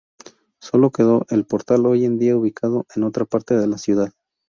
Sólo quedó el portal hoy en día ubicado en otra parte de la ciudad.